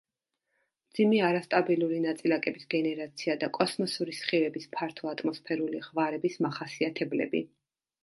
მძიმე არასტაბილური ნაწილაკების გენერაცია და კოსმოსური სხივების ფართო ატმოსფერული ღვარების მახასიათებლები.